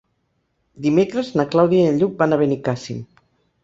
Dimecres na Clàudia i en Lluc van a Benicàssim.